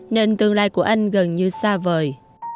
nên tương lai của anh gần như xa vời